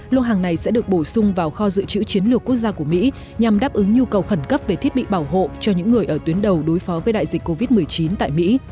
lô hàng này sẽ được bổ sung vào kho dự trữ chiến lược quốc gia của mỹ nhằm đáp ứng nhu cầu khẩn cấp về thiết bị bảo hộ cho những người ở tuyến đầu đối phó với đại dịch covid một mươi chín tại mỹ